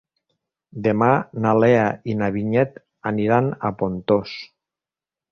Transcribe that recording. Demà na Lea i na Vinyet aniran a Pontós.